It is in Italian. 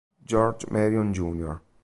George Marion Jr.